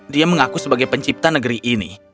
dia mengaku sebagai pencipta negeri ini